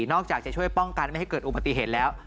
อกจากจะช่วยป้องกันไม่ให้เกิดอุบัติเหตุแล้ว